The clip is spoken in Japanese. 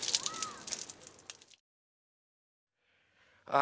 あ。